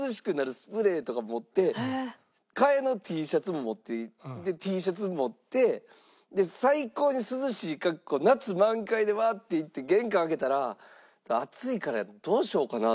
替えのＴシャツも持っていってでＴシャツ持ってで最高に涼しい格好夏満開でワーッて行って玄関開けたら「暑いからどうしようかな」